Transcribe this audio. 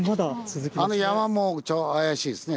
あの山も怪しいですね